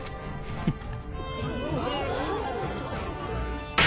フッ。